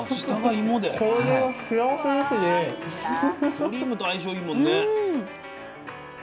クリームと相性いいもんね。